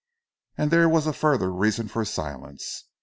And there was a further reason for silence.